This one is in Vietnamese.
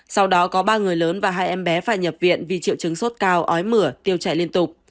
sau đó có ba người lớn và hai em bé phải nhập viện vì triệu chứng sốt cao ói mửa tiêu chảy liên tục